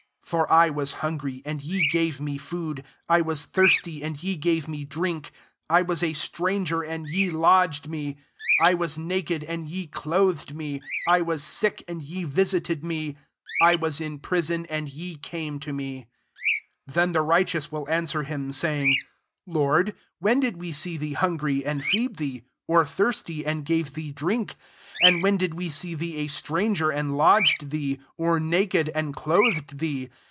35 For I was hungry, and ye gave me fiiod : I was thirsty, and ye gave me drink : I was a stranger, and ye lodged me : 36 I was na kedi, and ye clothed me : I was sick, and ye visited me: I was in prison and ye came to me.' S7 Then the righteous will answer him, saying, *Lord, when did we see thee httngry, and fed thee? or thirsty, and gave (&ee drink ? 3d And when did we see thee a stranger, andl lodged ihce P or naked and clothed thee?